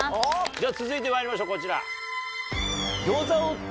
続いてまいりましょうこちら。